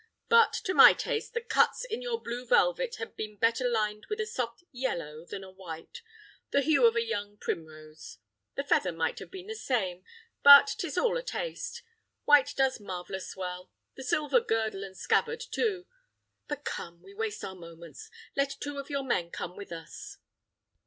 But, to my taste, the cuts in your blue velvet had been better lined with a soft yellow than a white; the hue of a young primrose. The feather might have been the same, but 'tis all a taste: white does marvellous well; the silver girdle and scabbard too! But come; we waste our moments: let two of your men come with us."